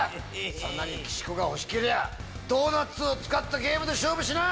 そんなに岸子が欲しけりゃドーナツを使ったゲームで勝負しな！